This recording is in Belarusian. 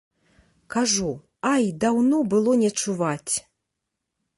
Кажу, ай, даўно было не чуваць.